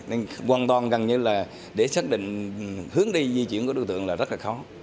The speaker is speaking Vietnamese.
nên hoàn toàn gần như là để xác định hướng đi di chuyển của đối tượng là rất là khó